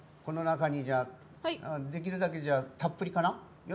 この中にじゃあできるだけたっぷりかな。